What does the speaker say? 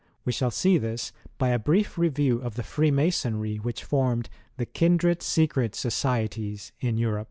We shall see this by a brief review of the Freemasonry which formed the • XI L Kindred Secret Societies in Europe.